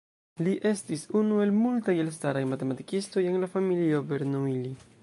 Li estis unu el multaj elstaraj matematikistoj en la familio Bernoulli.